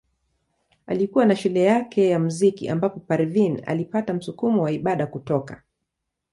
Alikuwa na shule yake ya muziki ambapo Parveen alipata msukumo wa ibada kutoka.